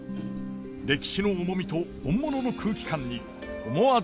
歴史の重みと本物の空気感に思わず体が動きます。